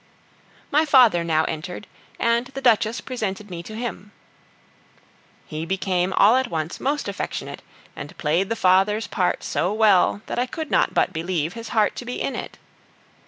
My father now entered, and the Duchess presented me to him. He became all at once most affectionate, and played the father's part so well, that I could not but believe his heart to be in it.